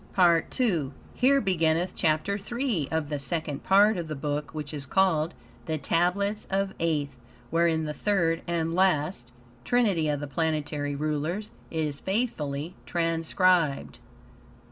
PART II Here beginneth Chapter 3 of the Second Part of the Book which is called "The Tablets of Aeth," wherein the Third, and last, Trinity of the Planetary Rulers is faithfully transcribed.